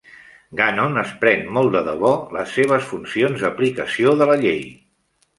Gannon es pren molt de debò les seves funcions d'aplicació de la llei.